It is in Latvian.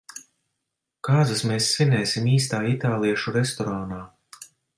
Kāzas mēs svinēsim īstā itāliešu restorānā.